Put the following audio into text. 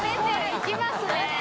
いきますね。